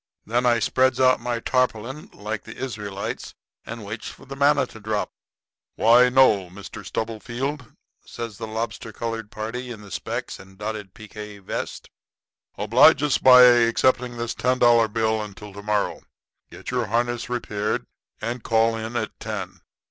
"Then I spreads out my tarpaulin, like the Israelites, and waits for the manna to drop. "'Why, no, Mr. Stubblefield,' says the lobster colored party in the specs and dotted pique vest; 'oblige us by accepting this ten dollar bill until to morrow. Get your harness repaired and call in at ten.